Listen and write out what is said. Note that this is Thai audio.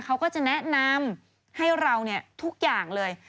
เขาก็จะแนะนำให้เราทุกอย่างเลย